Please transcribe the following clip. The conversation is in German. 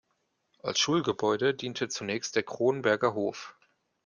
Als Schulgebäude diente zunächst der "Kronberger Hof".